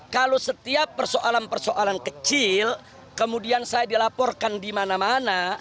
kalau setiap persoalan persoalan kecil kemudian saya dilaporkan di mana mana